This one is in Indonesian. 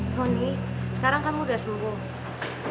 sony sekarang kan udah sembuh